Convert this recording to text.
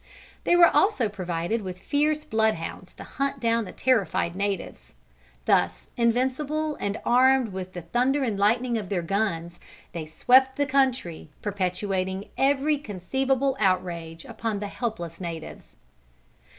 They were also provided with fierce bloodhounds to hunt down the terrified natives. Thus invincible and armed with the "thunder and lightning" of their guns, they swept the country, perpetrating every conceivable outrage upon the helpless natives.